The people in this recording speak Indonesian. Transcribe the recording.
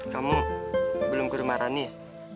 kamu belum ke rumah rani ya